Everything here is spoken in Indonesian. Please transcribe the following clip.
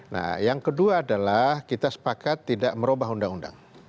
nah yang kedua adalah kita sepakat tidak merubah undang undang